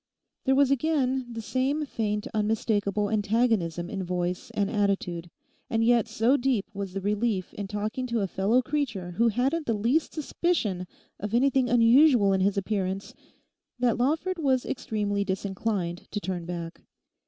There was again the same faint unmistakable antagonism in voice and attitude; and yet so deep was the relief in talking to a fellow creature who hadn't the least suspicion of anything unusual in his appearance that Lawford was extremely disinclined to turn back.